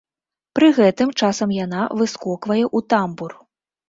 Пры гэтым часам яна выскоквае ў тамбур.